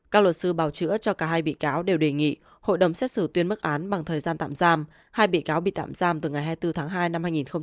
các luật sư bào chữa cho cả hai bị cáo đều đề nghị hội đồng xét xử tuyên mức án bằng thời gian tạm giam hai bị cáo bị tạm giam từ ngày hai mươi bốn tháng hai năm hai nghìn hai mươi